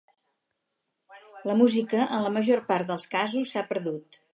La música, en la major part dels casos s'ha perdut.